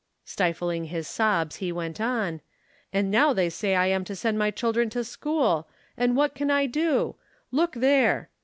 Stifling his sobs, he went on, "And now they say I am to send my children to school and what can I do ? Look there